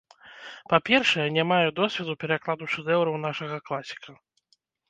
Па-першае, не маю досведу перакладу шэдэўраў нашага класіка.